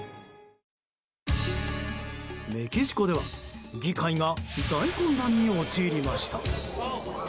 メキシコでは議会が大混乱に陥りました。